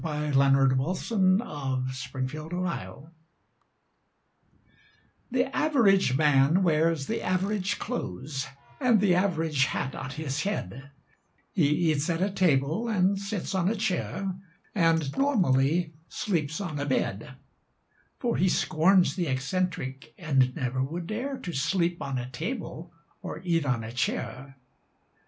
By Wallace Irwin To the Average Man THE AVERAGE MAN wears the average clothesAnd the average hat on his head; He eats at a table and sits on a chairAnd (normally) sleeps on a bed; For he scorns the eccentric, and never would dareTo sleep on a table or eat on a chair.